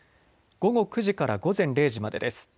午後９時から午前０時までです。